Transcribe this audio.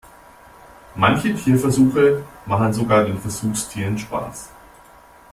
Manche Tierversuche machen sogar den Versuchstieren Spaß.